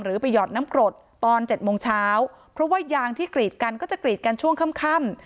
หรือไปหยอดน้ำกรดตอนเจ็ดโมงเช้าเพราะว่ายางที่กรีดกันก็จะกรีดกันช่วงค่ำ